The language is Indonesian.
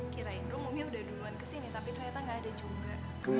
kirain roomongnya udah duluan kesini tapi ternyata gak ada juga